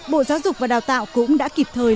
bộ giáo dục và đào tạo cũng đã kịp thời